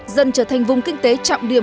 dần trở thành vùng kinh tế trọng điểm